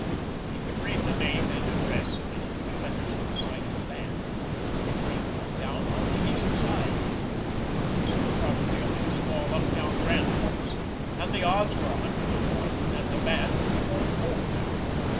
He could read the name and address in the huge letters on the side of the van. It belonged down on the East Side. This was probably only a small uptown branch office, and the odds were a hundred to one that the van would be going home now.